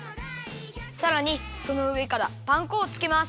さらにそのうえからパン粉をつけます。